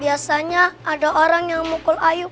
biasanya ada orang yang mukul ayu